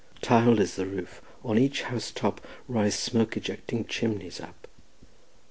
Tiled is the roof, on each house top Rise smoke ejecting chimneys up.